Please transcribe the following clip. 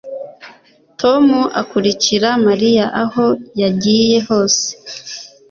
Tom akurikira Mariya aho yagiye hose